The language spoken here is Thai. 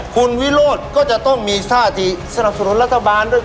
คุณวิโรธก็จะต้องมีท่าที่สนับสนุนรัฐบาลด้วย